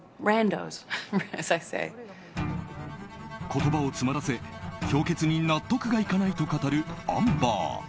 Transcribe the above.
言葉を詰まらせ評決に納得がいかないと語るアンバー。